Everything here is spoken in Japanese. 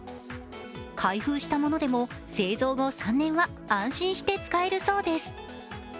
開封したものでも製造後３年は安心して使えるそうです。